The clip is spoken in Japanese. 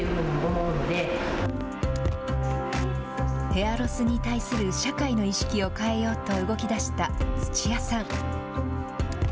ヘアロスに対する社会の意識を変えようと動きだした土屋さん。